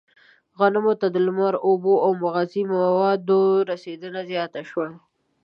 غنمو ته د لمر، اوبو او مغذي موادو رسېدنه زیاته شوه.